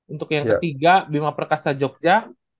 untuk yang ketiga bima perkasa jogja